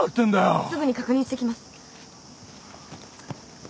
すぐに確認してきます。